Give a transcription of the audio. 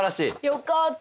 よかった。